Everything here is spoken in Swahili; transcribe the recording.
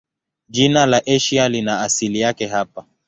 Jina la Asia lina asili yake hapa.